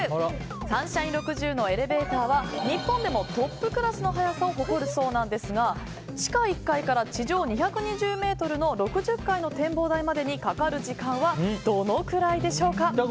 サンシャイン６０のエレベーターは日本でもトップクラスの速さを誇るそうなんですが地下１階から地上２２０ｍの６０階の展望台までにかかる時間はどのくらいでしょうか？